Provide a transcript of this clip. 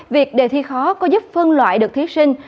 việc đề thi khó có giúp phân loại được thí sinh